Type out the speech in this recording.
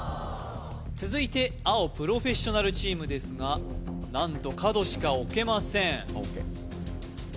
続いて青プロフェッショナルチームですが何と角しか置けませんあっＯＫ